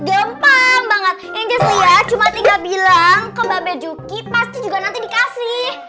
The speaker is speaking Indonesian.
gampang banget ini saya cuma tinggal bilang ke mbak bejuki pasti juga nanti dikasih